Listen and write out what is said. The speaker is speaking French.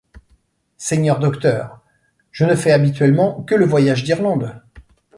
Seigneur docteur, je ne fais habituellement que le voyage d’Irlande.